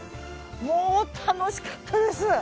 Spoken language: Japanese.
もう楽しかったです！